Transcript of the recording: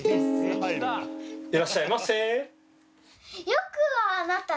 「いらっしゃいませ」。